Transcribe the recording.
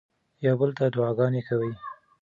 یو بل ته دعاګانې کوئ.